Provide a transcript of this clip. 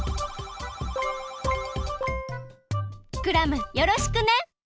クラムよろしくね！